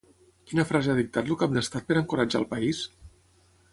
Quina frase ha dictat el cap d'estat per a encoratjar al país?